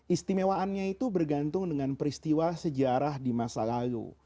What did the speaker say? istimewaannya itu bergantung dengan peristiwa sejarah di masa lalu